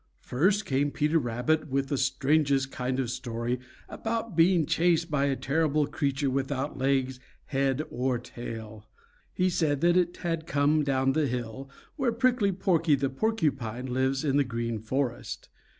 First came Peter Rabbit with the strangest kind of a story about being chased by a terrible creature without legs, head, or tail. He said that it had come down the hill where Prickly Porky the Porcupine lives in the Green Forest.